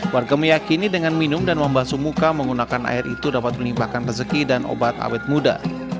warga meyakini dengan minum dan membasu muka menggunakan air itu dapat menimbulkan rezeki dan obat awet muda